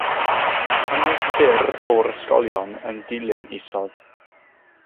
Mae hanes byr o'r ysgolion yn dilyn isod.